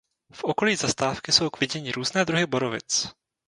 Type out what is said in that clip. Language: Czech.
V okolí zastávky jsou k vidění různé druhy borovic.